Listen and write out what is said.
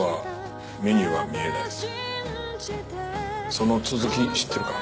その続き知ってるか？